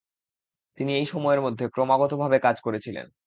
তিনি এই সময়ের মধ্যে ক্রমাগতভাবে কাজ করেছিলেন।